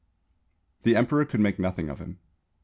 The Emperor could make nothing of him.